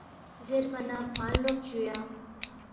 زیربا نہ کھونگ لوق جُویا